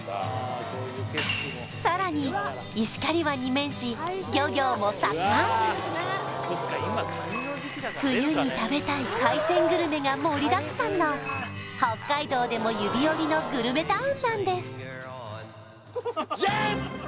さらに石狩湾に面し漁業も盛ん冬に食べたい海鮮グルメが盛りだくさんな北海道でも指折りのグルメタウンなんですジャン！